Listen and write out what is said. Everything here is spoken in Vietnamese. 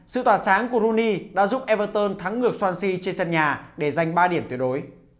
sự tỏa sáng của roni đã giúp everton thắng ngược fansi trên sân nhà để giành ba điểm tuyệt đối